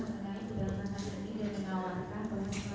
ada bertemu dengan terdakwa dua yaitu